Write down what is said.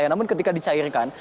namun ketika dicairkan